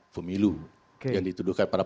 pemilu yang dituduhkan pada